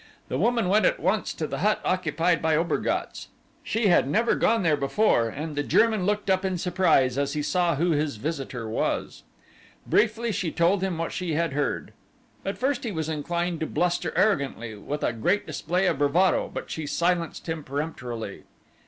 The woman went at once to the hut occupied by Obergatz. She had never gone there before and the German looked up in surprise as he saw who his visitor was. Briefly she told him what she had heard. At first he was inclined to bluster arrogantly, with a great display of bravado but she silenced him peremptorily.